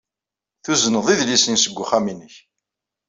Tuzneḍ idlisen seg wexxam-nnek.